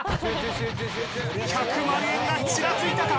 １００万円がチラついたか？